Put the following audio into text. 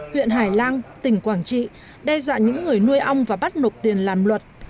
huyện hải lăng tỉnh quảng trị đe dọa những người nuôi ong và bắt nộp tiền làm luật